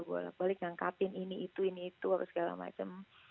gue balik ngangkatin ini itu ini itu apa segala macem